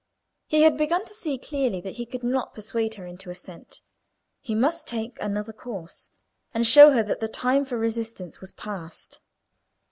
He had begun to see clearly that he could not persuade her into assent: he must take another course, and show her that the time for resistance was past.